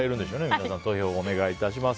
皆さん、投票をお願いします。